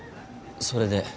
それで？